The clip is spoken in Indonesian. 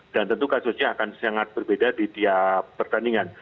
dan tentu kasusnya akan sangat berbeda di setiap pertandingan